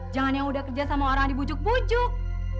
jangan yang udah kerja sama orang dibujuk bujuk